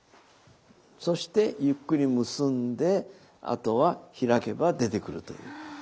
そしてゆっくり結んであとは開けば出てくるという。